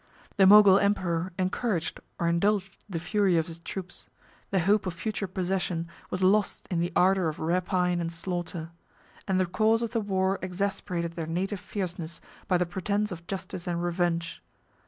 The Mogul emperor encouraged or indulged the fury of his troops: the hope of future possession was lost in the ardor of rapine and slaughter; and the cause of the war exasperated their native fierceness by the pretence of justice and revenge.